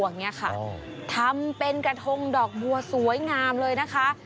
อย่างนี้ค่ะทำเป็นกระทงดอกบัวสวยงามเลยนะคะ